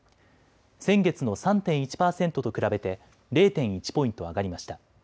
先月の３．１％と比べて０．１ポイント上がりました。